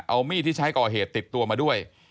เอามีดที่ใช้ก่อเหตุติดตัวมาด้วย